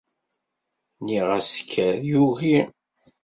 Nniɣ-as kker, yugi.